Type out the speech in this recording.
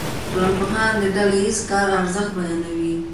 ټولنپوهنه د ډله ایز کار ارزښت بیانوي.